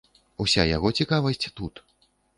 Уся яго цікавасць тут.